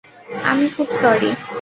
আমি খুব সরি।